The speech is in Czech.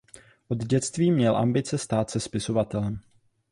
Od dětství měl ambice stát se spisovatelem.